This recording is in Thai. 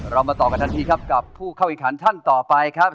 มาต่อกันทันทีครับกับผู้เข้าแข่งขันท่านต่อไปครับ